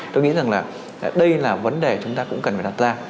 tôi nghĩ rằng là đây là vấn đề chúng ta cũng cần phải đặt ra